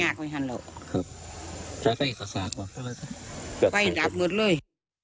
ถ้าไปสะสางไปลาดหมดเลย